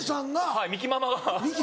はいみきママが。